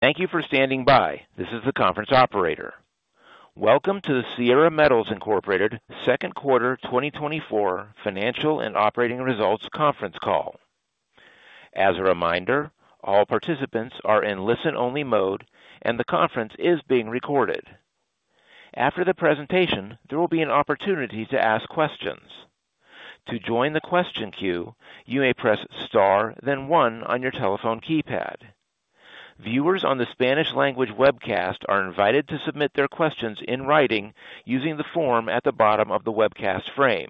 Thank you for standing by. This is the conference operator. Welcome to the Sierra Metals Incorporated Second Quarter 2024 Financial and Operating Results Conference Call. As a reminder, all participants are in listen-only mode, and the conference is being recorded. After the presentation, there will be an opportunity to ask questions. To join the question queue, you may press star then one on your telephone keypad. Viewers on the Spanish language webcast are invited to submit their questions in writing using the form at the bottom of the webcast frame.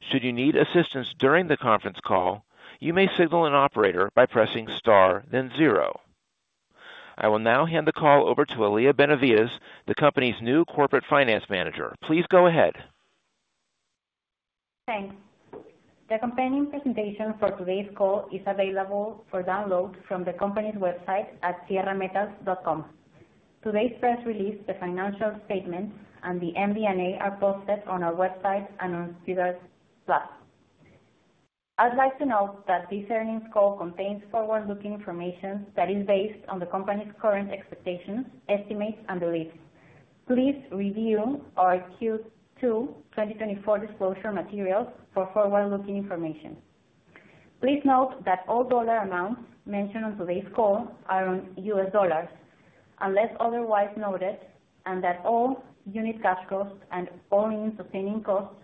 Should you need assistance during the conference call, you may signal an operator by pressing star then zero. I will now hand the call over to Lia Benavides, the company's new corporate finance manager. Please go ahead. Thanks. The companion presentation for today's call is available for download from the company's website at sierrametals.com. Today's press release, the financial statements, and the MD&A are posted on our website and on SEDAR+. I'd like to note that this earnings call contains forward-looking information that is based on the company's current expectations, estimates, and beliefs. Please review our Q2 2024 disclosure materials for forward-looking information. Please note that all dollar amounts mentioned on today's call are in US dollars, unless otherwise noted, and that all unit cash costs and all-in sustaining costs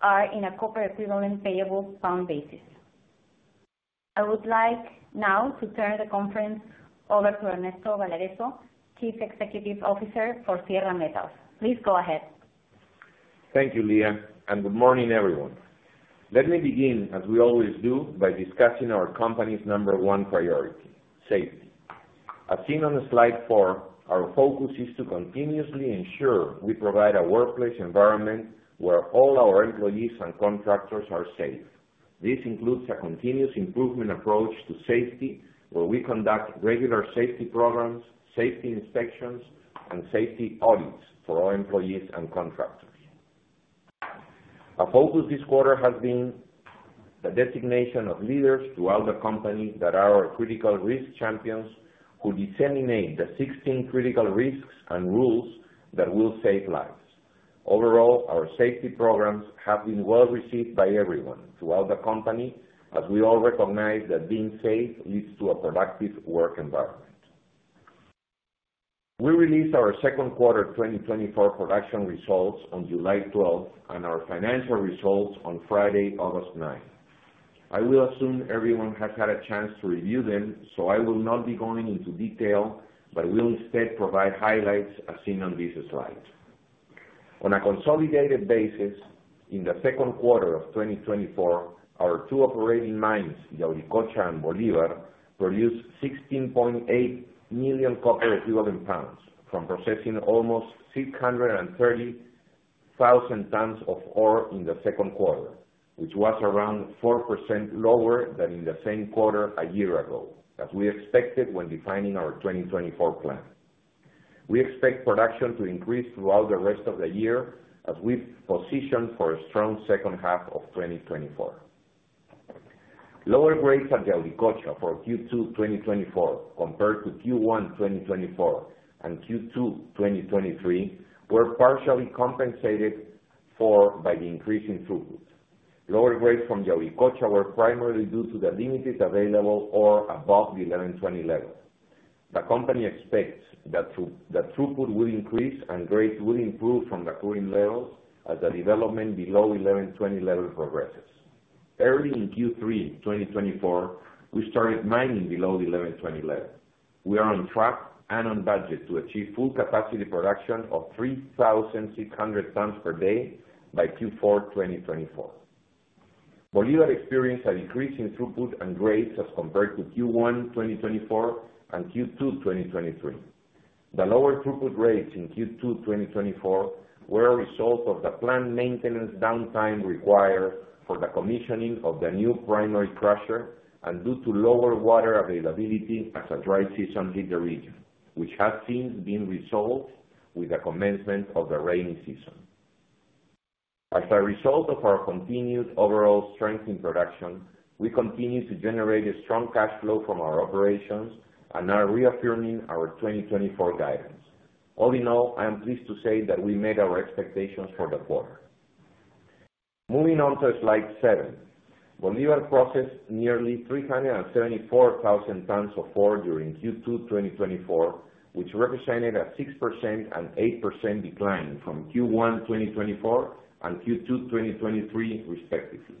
are in a copper equivalent payable pound basis. I would like now to turn the conference over to Ernesto Balarezo, Chief Executive Officer for Sierra Metals. Please go ahead. Thank you, Lia, and good morning, everyone. Let me begin, as we always do, by discussing our company's number one priority, safety. As seen on the slide four, our focus is to continuously ensure we provide a workplace environment where all our employees and contractors are safe. This includes a continuous improvement approach to safety, where we conduct regular safety programs, safety inspections, and safety audits for all employees and contractors. Our focus this quarter has been the designation of leaders throughout the company that are our critical risk champions, who disseminate the 16 critical risks and rules that will save lives. Overall, our safety programs have been well received by everyone throughout the company, as we all recognize that being safe leads to a productive work environment. We released our second quarter 2024 production results on July 12 and our financial results on Friday, August 9. I will assume everyone has had a chance to review them, so I will not be going into detail, but will instead provide highlights as seen on this slide. On a consolidated basis, in the second quarter of 2024, our two operating mines, Yauricocha and Bolivar, produced 16.8 million copper equivalent pounds from processing almost 630,000 tons of ore in the second quarter, which was around 4% lower than in the same quarter a year ago, as we expected when defining our 2024 plan. We expect production to increase throughout the rest of the year as we've positioned for a strong second half of 2024. Lower grades at Yauricocha for Q2 2024 compared to Q1 2024 and Q2 2023 were partially compensated for by the increase in throughput. Lower grades from Yauricocha were primarily due to the limited available ore above the 1120 level. The company expects that throughput will increase and grades will improve from the current levels as the development below 1120 level progresses. Early in Q3 2024, we started mining below the 1120 level. We are on track and on budget to achieve full capacity production of 3,600 tons per day by Q4 2024. Bolivar experienced a decrease in throughput and grades as compared to Q1 2024 and Q2 2023. The lower throughput rates in Q2 2024 were a result of the planned maintenance downtime required for the commissioning of the new primary crusher and due to lower water availability as the dry season hit the region, which has since been resolved with the commencement of the rainy season. As a result of our continued overall strength in production, we continue to generate a strong cash flow from our operations and are reaffirming our 2024 guidance. All in all, I am pleased to say that we made our expectations for the quarter. Moving on to slide seven. Bolivar processed nearly 374,000 tons of ore during Q2 2024, which represented a 6% and 8% decline from Q1 2024 and Q2 2023, respectively.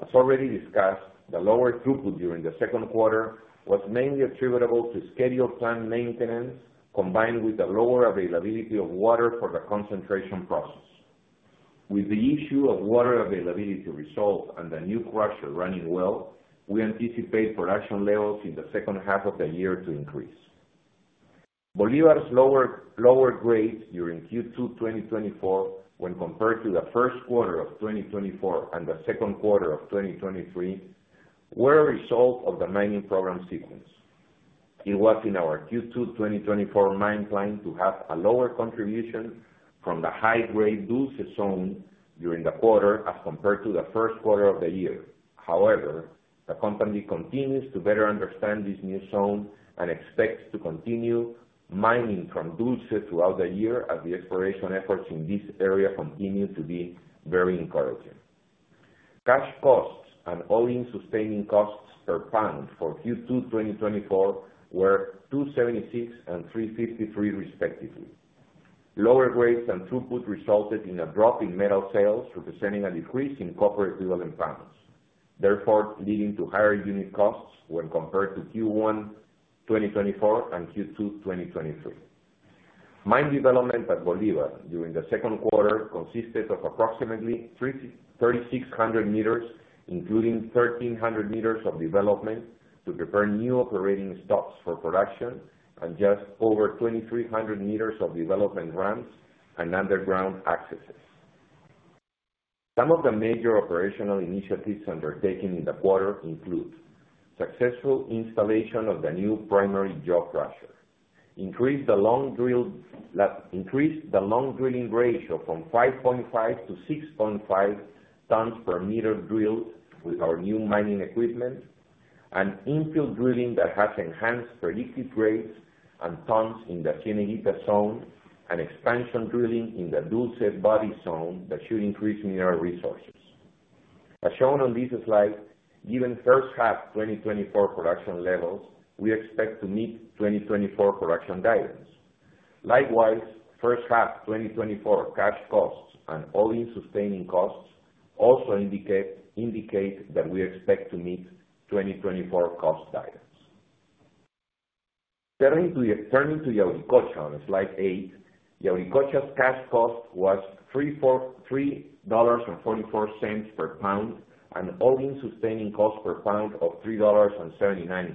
As already discussed, the lower throughput during the second quarter was mainly attributable to scheduled plant maintenance, combined with the lower availability of water for the concentration process. With the issue of water availability resolved and the new crusher running well, we anticipate production levels in the second half of the year to increase. Bolivar's lower, lower grades during Q2 2024, when compared to the first quarter of 2024 and the second quarter of 2023, were a result of the mining program sequence. It was in our Q2 2024 mine plan to have a lower contribution from the high grade Dulce zone during the quarter as compared to the first quarter of the year. However, the company continues to better understand this new zone and expects to continue mining from Dulce throughout the year, as the exploration efforts in this area continue to be very encouraging. Cash costs and All-in Sustaining Costs per pound for Q2 2024 were $2.76 and $3.53 respectively. Lower grades and throughput resulted in a drop in metal sales, representing a decrease in copper equivalent pounds, therefore leading to higher unit costs when compared to Q1 2024 and Q2 2023. Mine development at Bolivar during the second quarter consisted of approximately 3,600 meters, including 1,300 meters of development to prepare new operating stopes for production, and just over 2,300 meters of development ramps and underground accesses. Some of the major operational initiatives undertaken in the quarter include successful installation of the new primary jaw crusher, increased the long drill, increased the long drilling ratio from 5.5-6.5 tons per meter drilled with our new mining equipment, and infill drilling that has enhanced predicted grades and tons in the Cieneguita zone, and expansion drilling in the Dulce body zone that should increase mineral resources. As shown on this slide, given first half 2024 production levels, we expect to meet 2024 production guidance. Likewise, first half 2024 cash costs and all-in sustaining costs also indicate that we expect to meet 2024 cost guidance. Turning to Yauricocha on slide eight, Yauricocha's cash cost was $3.44 per pound, and all-in sustaining cost per pound of $3.79.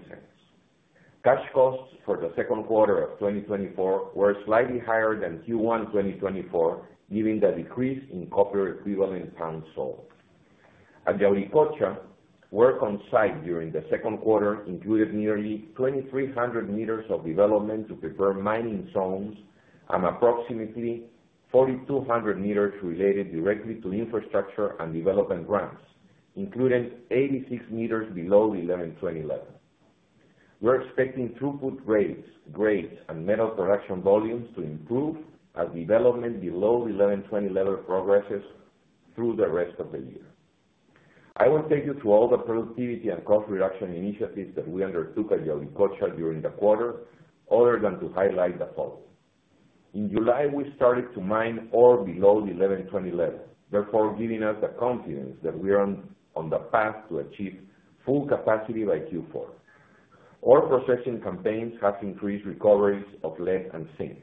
Cash costs for the second quarter of 2024 were slightly higher than Q1 2024, given the decrease in copper equivalent pounds sold. At Yauricocha, work on site during the second quarter included nearly 2,300 meters of development to prepare mining zones and approximately 4,200 meters related directly to infrastructure and development ramps, including 86 meters below the 1,120 level. We're expecting throughput rates, grades, and metal production volumes to improve as development below the 1,120 level progresses through the rest of the year. I will take you through all the productivity and cost reduction initiatives that we undertook at Yauricocha during the quarter, other than to highlight the following: In July, we started to mine ore below the 1120 level, therefore giving us the confidence that we are on the path to achieve full capacity by Q4. Ore processing campaigns have increased recoveries of lead and zinc.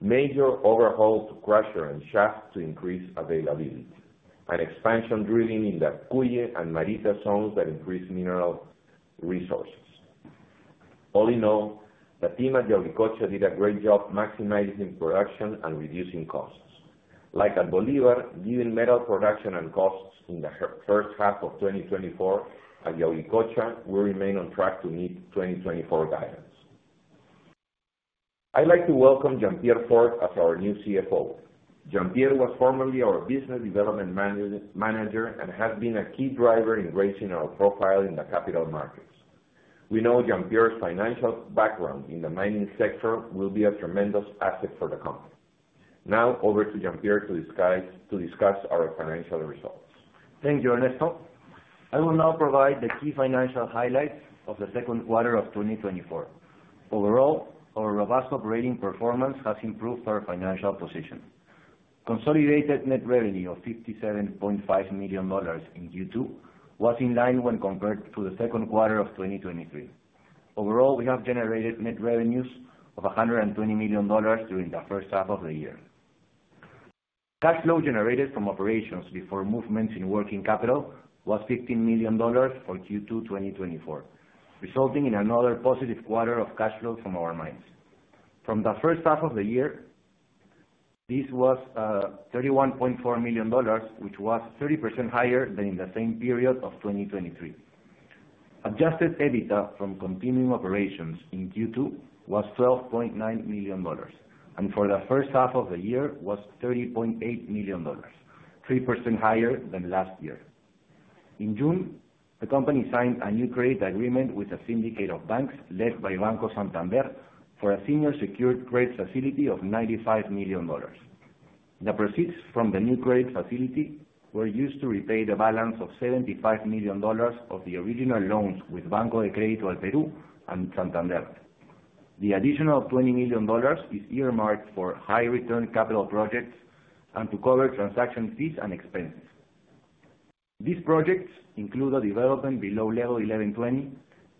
Major overhauls to crusher and shaft to increase availability, and expansion drilling in the Cuye and Mascota zones that increase mineral resources. All in all, the team at Yauricocha did a great job maximizing production and reducing costs. Like at Bolivar, given metal production and costs in the first half of 2024 at Yauricocha, we remain on track to meet 2024 guidance. I'd like to welcome Jean-Pierre Fort as our new CFO. Jean-Pierre was formerly our Business Development Manager, and has been a key driver in raising our profile in the capital markets. We know Jean-Pierre's financial background in the mining sector will be a tremendous asset for the company. Now, over to Jean-Pierre to discuss our financial results. Thank you, Ernesto. I will now provide the key financial highlights of the second quarter of 2024. Overall, our robust operating performance has improved our financial position. Consolidated net revenue of $57.5 million in Q2 was in line when compared to the second quarter of 2023. Overall, we have generated net revenues of $120 million during the first half of the year. Cash flow generated from operations before movements in working capital was $15 million for Q2 2024, resulting in another positive quarter of cash flows from our mines. From the first half of the year, this was $31.4 million, which was 30% higher than in the same period of 2023. Adjusted EBITDA from continuing operations in Q2 was $12.9 million, and for the first half of the year was $30.8 million, 3% higher than last year. In June, the company signed a new credit agreement with a syndicate of banks, led by Banco Santander, for a senior secured credit facility of $95 million. The proceeds from the new credit facility were used to repay the balance of $75 million of the original loans with Banco de Crédito del Perú and Santander. The additional 20 million dollars is earmarked for high return capital projects and to cover transaction fees and expenses. These projects include the development below level 1120,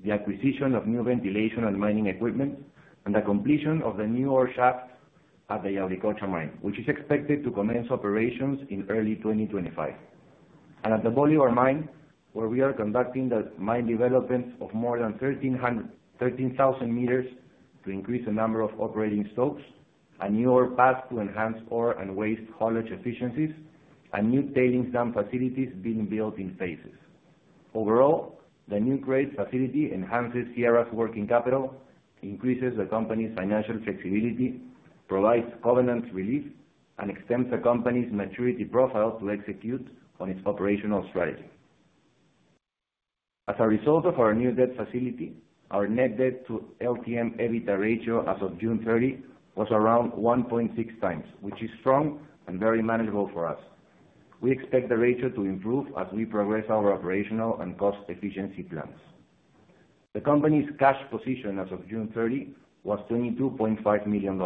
the acquisition of new ventilation and mining equipment, and the completion of the new ore shaft at the Yauricocha mine, which is expected to commence operations in early 2025. At the Bolivar mine, where we are conducting the mine development of more than 13,000 meters to increase the number of operating stopes, a new ore pass to enhance ore and waste haulage efficiencies, and new tailings dam facilities being built in phases. Overall, the new credit facility enhances Sierra's working capital, increases the company's financial flexibility, provides covenant relief, and extends the company's maturity profile to execute on its operational strategy. As a result of our new debt facility, our net debt to LTM EBITDA ratio as of June 30 was around 1.6 times, which is strong and very manageable for us. We expect the ratio to improve as we progress our operational and cost efficiency plans. The company's cash position as of June 30 was $22.5 million,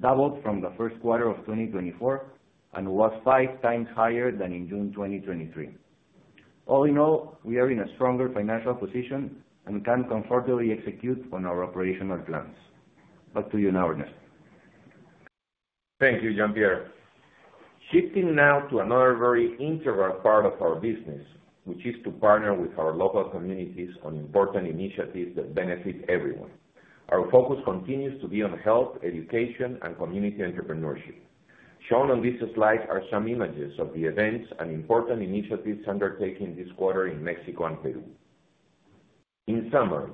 doubled from the first quarter of 2024, and was 5x higher than in June 2023. All in all, we are in a stronger financial position and can comfortably execute on our operational plans. Back to you, Ernesto. Thank you, Jean-Pierre. Shifting now to another very integral part of our business, which is to partner with our local communities on important initiatives that benefit everyone. Our focus continues to be on health, education, and community entrepreneurship. Shown on this slide are some images of the events and important initiatives undertaken this quarter in Mexico and Peru. In summary,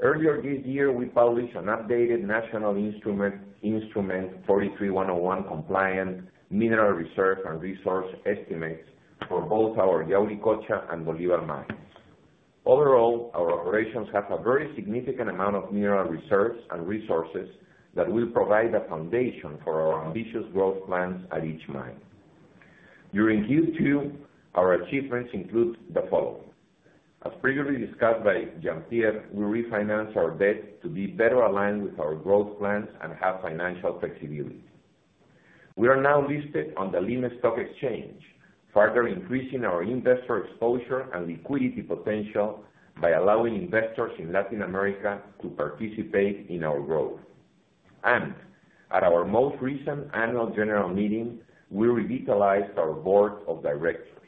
earlier this year, we published an updated National Instrument 43-101 compliant mineral reserve and resource estimates for both our Yauricocha and Bolivar mines. Overall, our operations have a very significant amount of mineral reserves and resources that will provide a foundation for our ambitious growth plans at each mine. During Q2, our achievements include the following: As previously discussed by Jean-Pierre, we refinance our debt to be better aligned with our growth plans and have financial flexibility. We are now listed on the Lima Stock Exchange, further increasing our investor exposure and liquidity potential by allowing investors in Latin America to participate in our growth. At our most recent annual general meeting, we revitalized our board of directors.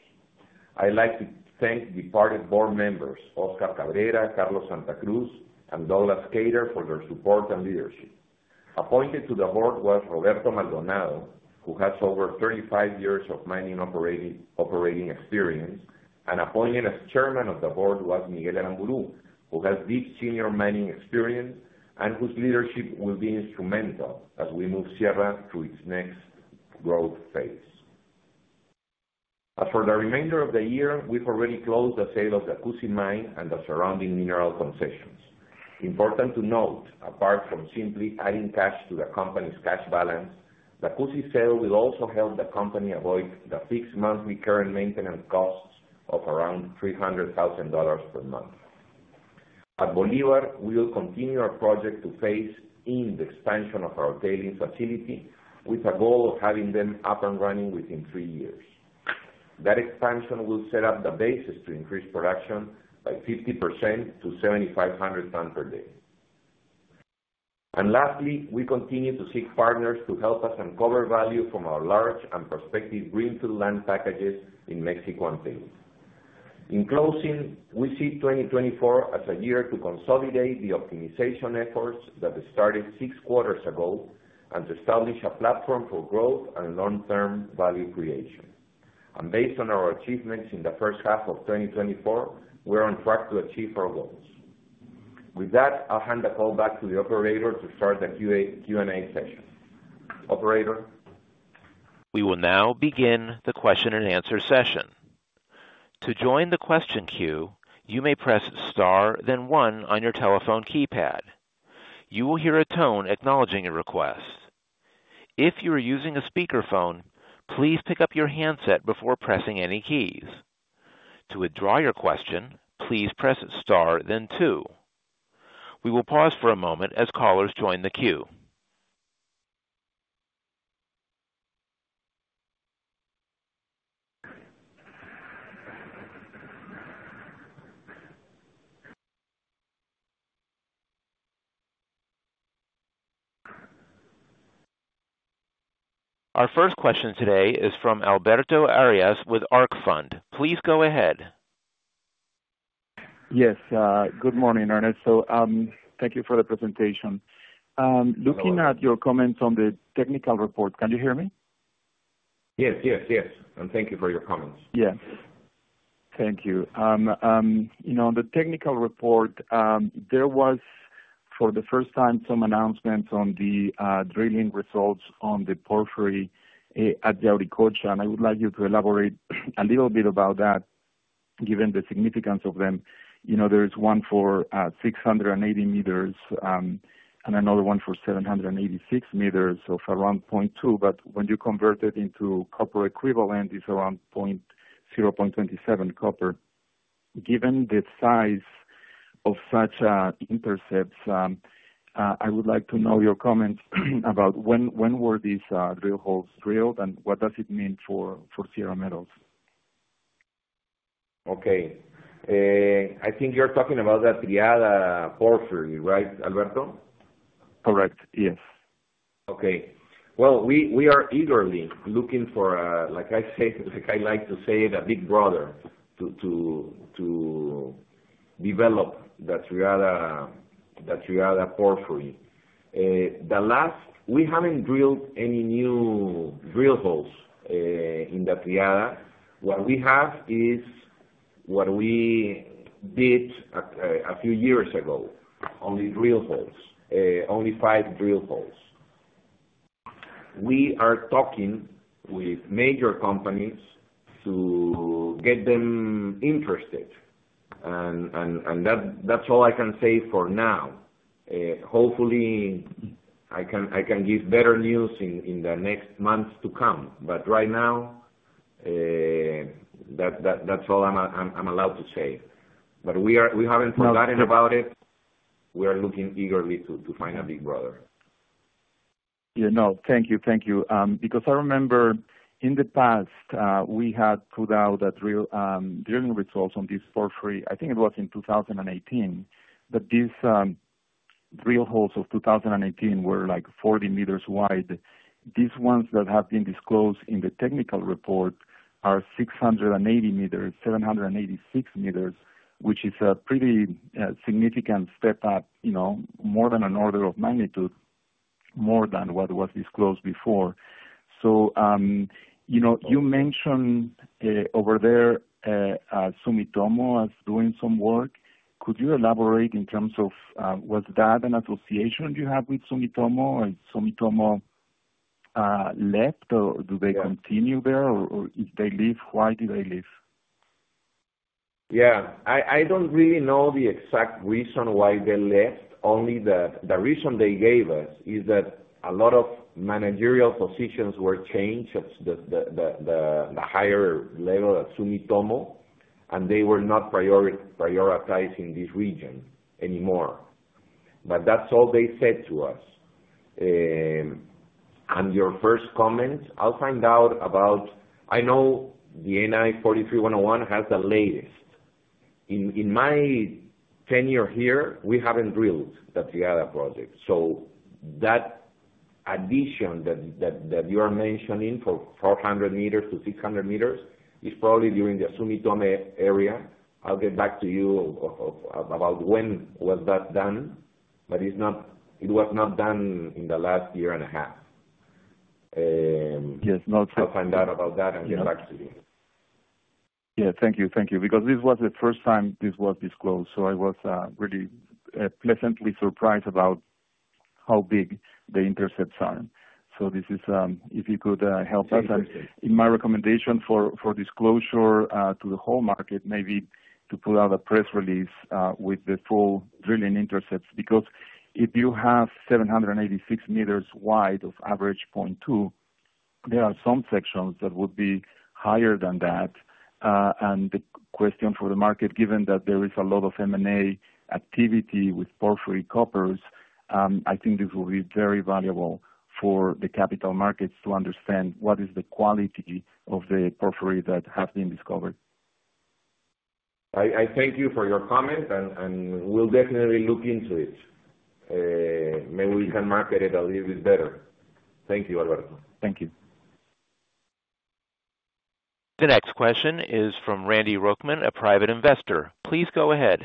I'd like to thank departed board members, Oscar Cabrera, Carlos Santa Cruz, and Douglas Cater, for their support and leadership. Appointed to the board was Roberto Maldonado, who has over 35 years of mining operating experience, and appointed as chairman of the board was Miguel Aramburú, who has deep senior mining experience and whose leadership will be instrumental as we move Sierra to its next growth phase. As for the remainder of the year, we've already closed the sale of the Cusi mine and the surrounding mineral concessions. Important to note, apart from simply adding cash to the company's cash balance, the Cusi sale will also help the company avoid the fixed monthly current maintenance costs of around $300,000 per month. At Bolivar, we will continue our project to phase in the expansion of our tailings facility, with a goal of having them up and running within 3 years. That expansion will set up the basis to increase production by 50% to 7,500 tons per day. Lastly, we continue to seek partners to help us uncover value from our large and prospective greenfield land packages in Mexico and Peru. In closing, we see 2024 as a year to consolidate the optimization efforts that started 6 quarters ago, and to establish a platform for growth and long-term value creation. Based on our achievements in the first half of 2024, we're on track to achieve our goals. With that, I'll hand the call back to the operator to start the Q&A session. Operator? We will now begin the question and answer session. To join the question queue, you may press star, then one on your telephone keypad. You will hear a tone acknowledging your request. If you are using a speakerphone, please pick up your handset before pressing any keys. To withdraw your question, please press star, then two. We will pause for a moment as callers join the queue. Our first question today is from Alberto Arias with ARC Fund. Please go ahead. Yes, good morning, Ernesto. Thank you for the presentation. Hello. Looking at your comments on the technical report. Can you hear me? Yes, yes, yes, and thank you for your comments. Yes. Thank you. You know, on the technical report, there was, for the first time, some announcements on the drilling results on the porphyry at the Yauricocha, and I would like you to elaborate a little bit about that, given the significance of them. You know, there is one for 680 meters, and another one for 786 meters, so for around 0.2. But when you convert it into copper equivalent, it's around 0.27 copper. Given the size of such intercepts, I would like to know your comments about when were these drill holes drilled and what does it mean for Sierra Metals? Okay. I think you're talking about the Triada porphyry, right, Alberto? Correct. Yes. Okay. Well, we are eagerly looking for, like I said, like I like to say, the big brother to develop the Triada, the Triada porphyry. The last, we haven't drilled any new drill holes in the Triada. What we have is what we did a few years ago, only drill holes, only five drill holes. We are talking with major companies to get them interested, and that's all I can say for now. Hopefully, I can give better news in the next months to come, but right now, that's all I'm allowed to say. But we are, we haven't forgotten about it. We are looking eagerly to find a big brother. Yeah, no, thank you. Thank you. Because I remember in the past, we had put out drilling results on this porphyry. I think it was in 2018. But these drill holes of 2018 were, like, 40 meters wide. These ones that have been disclosed in the technical report are 680 meters, 786 meters, which is a pretty significant step up, you know, more than an order of magnitude, more than what was disclosed before. So, you know, you mentioned Sumitomo as doing some work. Could you elaborate in terms of, was that an association you have with Sumitomo, or Sumitomo left, or do they continue there? Or, if they leave, why did they leave? Yeah. I don't really know the exact reason why they left, only the reason they gave us is that a lot of managerial positions were changed at the higher level at Sumitomo, and they were not prioritizing this region anymore. But that's all they said to us. Your first comment, I'll find out about. I know the NI 43-101 has the latest. In my tenure here, we haven't drilled the Triada project, so that addition that you are mentioning for 400-600 meters is probably during the Sumitomo area. I'll get back to you about when that was done, but it was not done in the last year and a half. Yes, no- I'll find out about that and get back to you. Yeah. Thank you. Thank you. Because this was the first time this was disclosed, so I was really pleasantly surprised about how big the intercepts are. So this is, if you could help us. Okay. My recommendation for, for disclosure to the whole market, maybe to put out a press release with the full drilling intercepts, because if you have 786 meters wide of average 0.2, there are some sections that would be higher than that. The question for the market, given that there is a lot of M&A activity with porphyry coppers, I think this will be very valuable for the capital markets to understand what is the quality of the porphyry that has been discovered. I thank you for your comment, and we'll definitely look into it. Maybe we can market it a little bit better. Thank you, Alberto. Thank you. The next question is from Randy Rochman, a private investor. Please go ahead.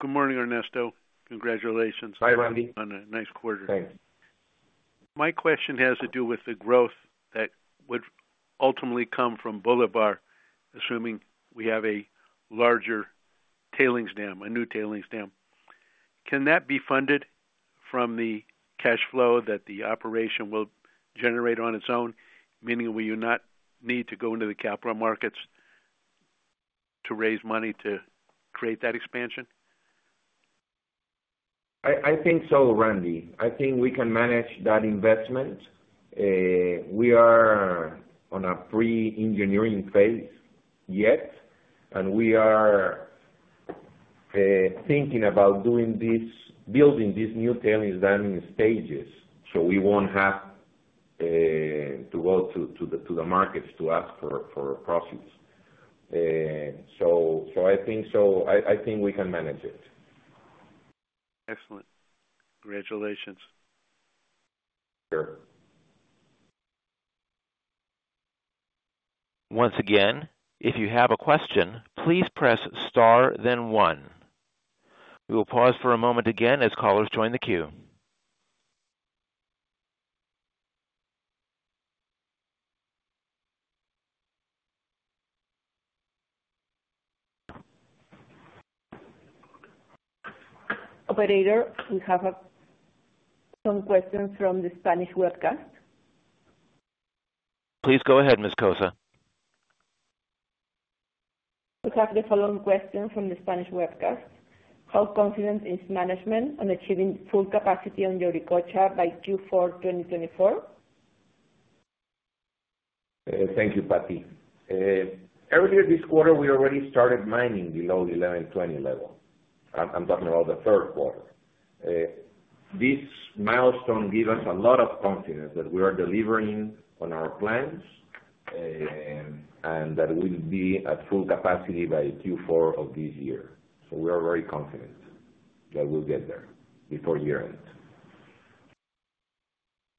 Good morning, Ernesto. Congratulations- Hi, Randy. On a nice quarter. Thanks. My question has to do with the growth that would ultimately come from Bolivar, assuming we have a larger tailings dam, a new tailings dam. Can that be funded from the cash flow that the operation will generate on its own, meaning will you not need to go into the capital markets to raise money to create that expansion? I think so, Randy. I think we can manage that investment. We are on a pre-engineering phase yet, and we are thinking about doing this, building this new tailings dam in stages, so we won't have to go to the markets to ask for proceeds. So, I think so. I think we can manage it. Excellent. Congratulations. Sure. Once again, if you have a question, please press star then one. We will pause for a moment again as callers join the queue. Operator, we have some questions from the Spanish webcast. Please go ahead, Ms. Kosa. We have the following question from the Spanish webcast: How confident is management on achieving full capacity on Yauricocha by Q4 2024? Thank you, Patty. Earlier this quarter, we already started mining below the 1120 level. I'm talking about the third quarter. This milestone give us a lot of confidence that we are delivering on our plans, and that we'll be at full capacity by Q4 of this year. So we are very confident that we'll get there before year end.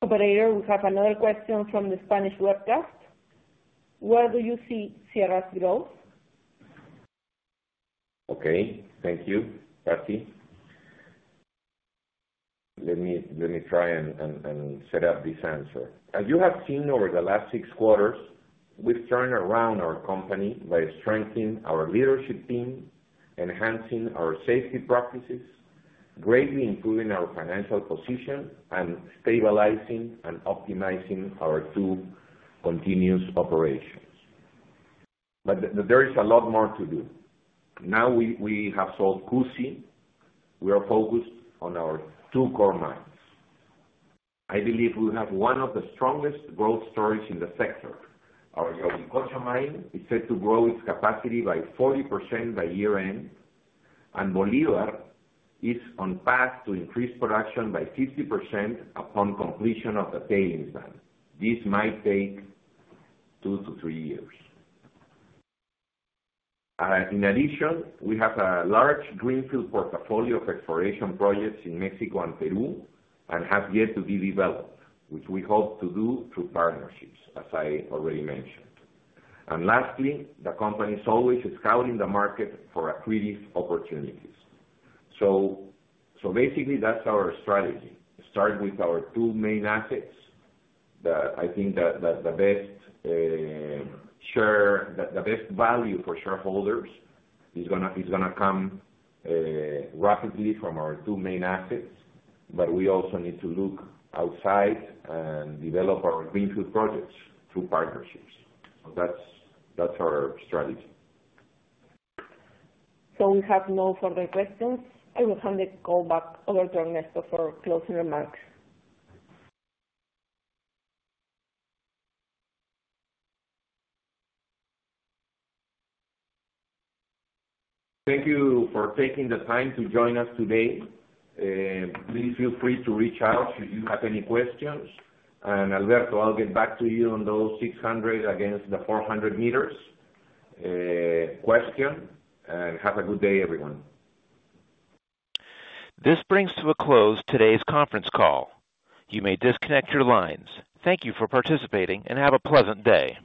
Operator, we have another question from the Spanish webcast. Where do you see Sierra's growth? Okay, thank you, Patty. Let me try and set up this answer. As you have seen over the last 6 quarters, we've turned around our company by strengthening our leadership team, enhancing our safety practices, greatly improving our financial position, and stabilizing and optimizing our two continuous operations. But there is a lot more to do. Now, we have sold Cusi. We are focused on our two core mines. I believe we have one of the strongest growth stories in the sector. Our Yauricocha mine is set to grow its capacity by 40% by year-end, and Bolivar is on path to increase production by 50% upon completion of the tailings dam. This might take 2-3 years. In addition, we have a large greenfield portfolio of exploration projects in Mexico and Peru, and have yet to be developed, which we hope to do through partnerships, as I already mentioned. And lastly, the company is always scouting the market for accretive opportunities. So basically, that's our strategy. Start with our two main assets. I think the best value for shareholders is gonna come rapidly from our two main assets. But we also need to look outside and develop our greenfield projects through partnerships. So that's our strategy. We have no further questions. I will hand the call back over to Ernesto for closing remarks. Thank you for taking the time to join us today. Please feel free to reach out if you have any questions. Alberto, I'll get back to you on those 600 against the 400 meters question, and have a good day, everyone. This brings to a close today's conference call. You may disconnect your lines. Thank you for participating, and have a pleasant day.